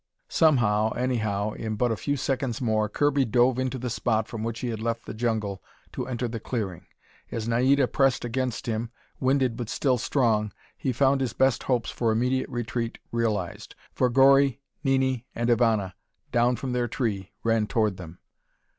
Somehow, anyhow, in but a few seconds more, Kirby dove into the spot from which he had left the jungle to enter the clearing. As Naida pressed against him, winded but still strong, he found his best hopes for immediate retreat realized, for Gori, Nini, and Ivana, down from their tree, ran toward them.